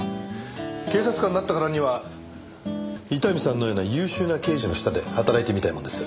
警察官になったからには伊丹さんのような優秀な刑事の下で働いてみたいもんです。